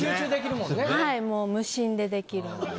もう無心でできるんで。